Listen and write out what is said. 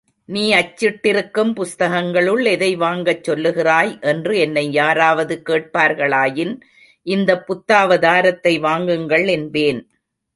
நீ அச்சிட்டிருக்கும் புஸ்தகங்களுள், எதை வாங்கச் சொல்லுகிறாய்? என்று என்னை யாராவது கேட்பார்களாயின், இந்தப் புத்தாவதாரத்தை வாங்குங்கள் என்பேன்.